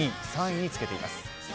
２、３位につけています。